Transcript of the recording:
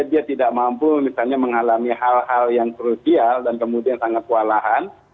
dia tidak mampu misalnya mengalami hal hal yang krusial dan kemudian sangat kewalahan